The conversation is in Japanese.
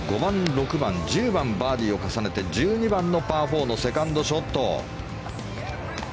５番、６番、１０番でバーディーを重ねて１２番のパー４のセカンドショット。